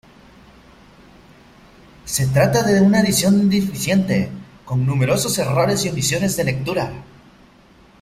Se trata de una edición deficiente, con numerosos errores y omisiones de lectura.